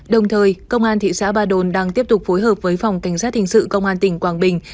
đồng thời công an thị xã ba đồn đang tiếp tục phối hợp với phòng cảnh sát hình sự công an tỉnh quảng bình